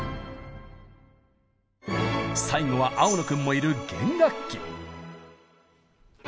最後は青野君もいる弦楽器。